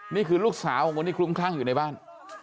นี่คือลูกสาวของคนที่คลุ้มคลั่งอยู่ในบ้าน